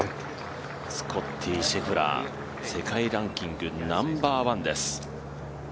スコッティ・シェフラー、世界ランキングナンバーワンです。